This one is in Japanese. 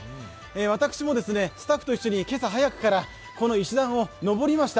私もスタッフと一緒に今朝早くからこの石段を上りました。